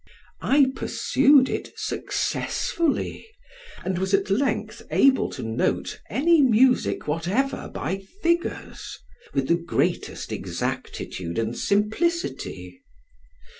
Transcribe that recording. I pursued it successfully, and was at length able to note any music whatever by figures, with the greatest exactitude and simplicity.